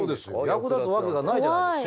役立つわけがないじゃないですか。